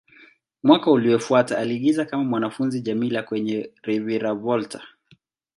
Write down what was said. Mwaka uliofuata, aliigiza kama mwanafunzi Djamila kwenye "Reviravolta".